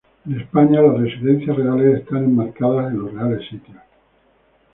En España las residencias reales están enmarcadas en los Reales Sitios.